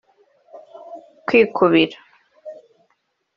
kwikubira